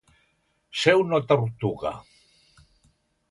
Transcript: Ser una tortuga.